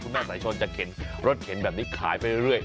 แม่สายชนจะเข็นรถเข็นแบบนี้ขายไปเรื่อย